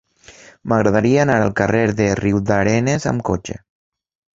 M'agradaria anar al carrer de Riudarenes amb cotxe.